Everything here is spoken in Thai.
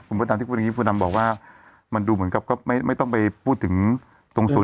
คุณพุทธนามที่พูดอย่างนี้พุทธนามบอกว่ามันดูเหมือนกับก็ไม่ต้องไปพูดถึงตรงส่วนอื่น